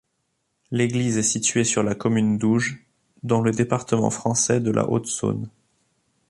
L'église est située sur la commune d'Ouge, dans le département français de la Haute-Saône.